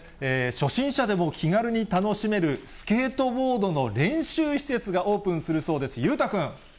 初心者でも気軽に楽しめる、スケートボードの練習施設がオープンするそうです。